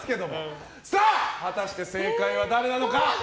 果たして正解は誰なのか。